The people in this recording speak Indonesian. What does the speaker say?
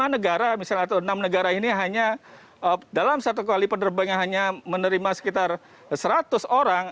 lima negara misalnya atau enam negara ini hanya dalam satu kali penerbangan hanya menerima sekitar seratus orang